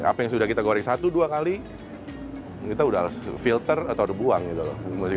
apa yang sudah kita goreng satu dua kali kita udah harus filter atau udah buang gitu loh